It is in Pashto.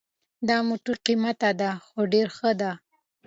دا موټر قیمته ده خو ډېر ښه ده